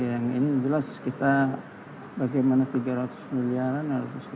mbak desi yang ini jelas kita bagaimana tiga ratus miliaran atau enam ratus miliaran